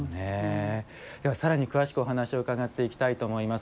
ではさらに詳しくお話を伺っていきたいと思います。